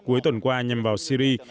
cuối tuần qua nhằm vào syri